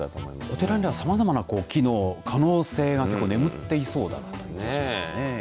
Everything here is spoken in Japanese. お寺にはさまざまな機能や可能性が結構眠っていそうだなと思いましたね。